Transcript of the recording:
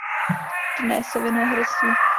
Dnes se věnuje herectví.